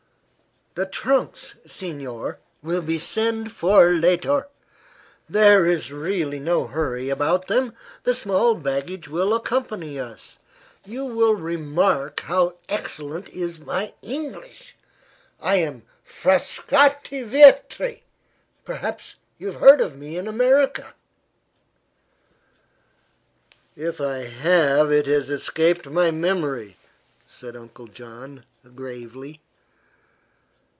"The trunks, signor, we will send for later. There is really no hurry about them. The small baggage will accompany us. You will remark how excellent is my English. I am Frascatti Vietri; perhaps you have heard of me in America?" "If I have it has escaped my memory," said Uncle John, gravely.